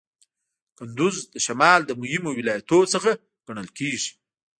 کندز د شمال د مهمو ولایتونو څخه ګڼل کیږي.